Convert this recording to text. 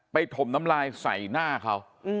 ถมน้ำลายใส่หน้าเขา